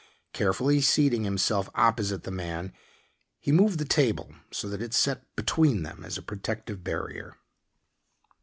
Carefully seating himself opposite the man, he moved the table so that it set between them as a protective barrier.